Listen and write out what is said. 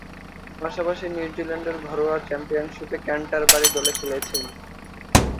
পাশাপাশি নিউজিল্যান্ডের ঘরোয়া চ্যাম্পিয়নশীপে ক্যান্টারবারি দলে খেলেছেন।